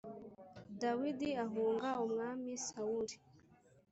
dawidi ahunga umwami sawuri